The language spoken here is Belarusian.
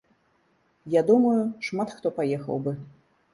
Я думаю, шмат хто паехаў бы.